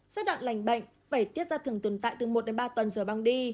giai đoạn lành bệnh vẩy tiết ra thường tồn tại từ một đến ba tuần rồi băng đi